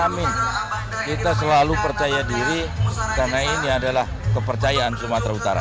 amin kita selalu percaya diri karena ini adalah kepercayaan sumatera utara